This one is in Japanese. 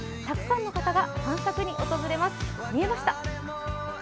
たくさんの方が散策に訪れます。